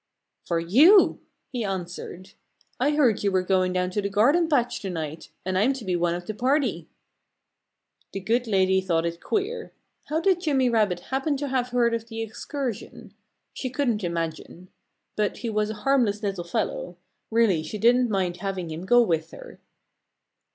"For you!" he answered. "I heard you were going down to the garden patch to night; and I'm to be one of the party." The good lady thought it queer. How did Jimmy Rabbit happen to have heard of the excursion? She couldn't imagine. But he was a harmless little fellow. Really she didn't mind having him go with her.